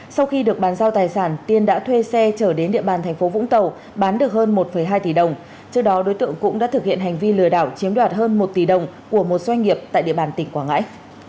sau khi được bán giao tài sản tiên đã thuê xe trở đến địa bàn thành phố vũng tàu bán được hơn một hai tỷ đồng trước đó đối tượng cũng đã thực hiện hành vi lừa đảo chiếm đoạt hơn một tỷ đồng của một doanh nghiệp tại địa bàn tỉnh quảng ngãi